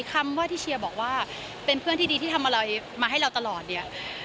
คำว่าที่เชียร์บอกว่าเป็นเพื่อนที่ดีที่ทำอะไรมาให้เราตลอดเนี่ย